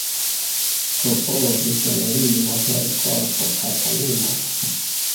Klopodi sen limo per korpo kaj animo.